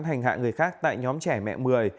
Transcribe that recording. hành hạ người khác tại nhóm trẻ mẹ một mươi